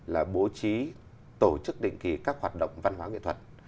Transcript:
là bố trí tổ chức định kỳ các hoạt động văn hóa nghệ thuật